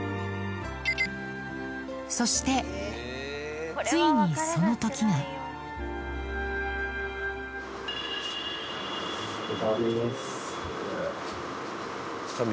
そしてついにその時がお疲れさまです。